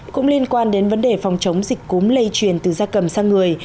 cũng liên quan đến vấn đề phòng chống dịch cúm lây truyền từ da cầm sang người